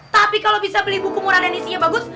tapi kalau bisa beli buku murah dan isinya bagus